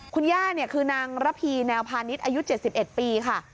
คุณย่าคือนางระพีแนวพาณิชย์อายุ๗๑ปีค่ะ